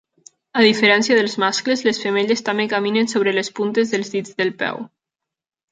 A diferència dels mascles, les femelles també caminen sobre les puntes dels dits del peu.